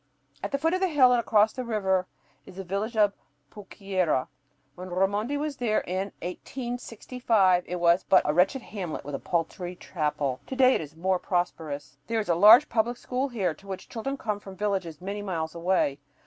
At the foot of the hill, and across the river, is the village of Pucyura. When Raimondi was here in 1865 it was but a "wretched hamlet with a paltry chapel." To day it is more prosperous. There is a large public school here, to which children come from villages many miles away.